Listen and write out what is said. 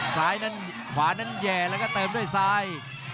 ซ้ายนั้นขวานั้นแห่แล้วก็เติมด้วยซ้าย